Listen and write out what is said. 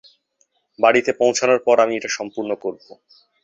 বাড়িতে পৌঁছানোর পর আমি এটা সম্পুর্ণ করবো।